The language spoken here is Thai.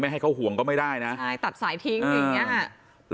ให้เขาห่วงก็ไม่ได้นะใช่ตัดสายทิ้งอย่างเงี้ย